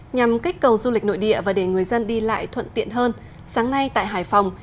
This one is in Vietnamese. nhằm kích cầu du lịch nội địa và để người dân đi lại thuận tiện hơn sáng nay tại hải phòng